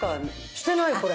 してないこれ。